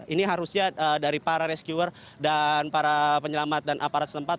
ini harusnya dari para rescuer dan para penyelamat dan aparat setempat